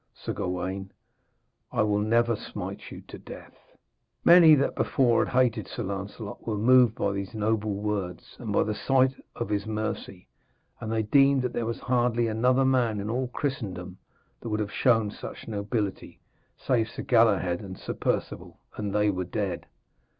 Sir Gawaine, I will never smite you to death.' Many that before had hated Sir Lancelot were moved by these noble words, and by the sight of his mercy; and they deemed that there was hardly another man in all Christendom that would have shown such nobility, save Sir Galahad and Sir Perceval, and they were dead.